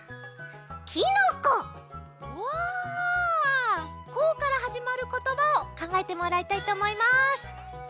「こ」からはじまることばをかんがえてもらいたいとおもいます。